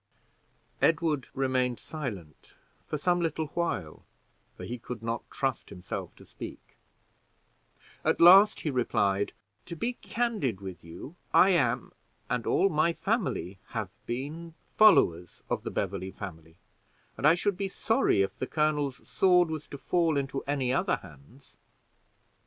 Edward remained silent for some little while, for he could not trust himself to speak; at last he replied: "To be candid with you, I am, and all my family have been, followers of the Beverley family, and I should be sorry if the colonel's sword was to fall into any other hands.